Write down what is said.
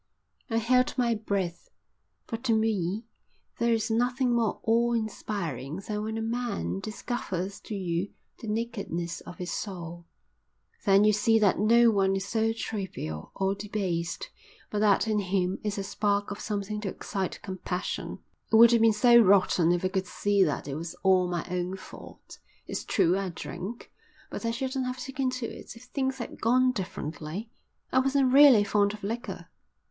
I held my breath, for to me there is nothing more awe inspiring than when a man discovers to you the nakedness of his soul. Then you see that no one is so trivial or debased but that in him is a spark of something to excite compassion. "It wouldn't be so rotten if I could see that it was all my own fault. It's true I drink, but I shouldn't have taken to that if things had gone differently. I wasn't really fond of liquor.